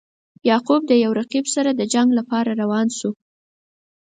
یعقوب د یو رقیب سره د جنګ لپاره روان شو.